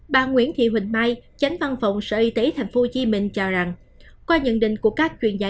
bà nguyễn thị huỳnh mai chánh văn phòng sở y tế tp hcm cho rằng qua nhận định của các chuyên gia